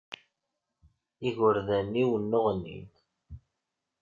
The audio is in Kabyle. Igerdan-iw nneɣnin.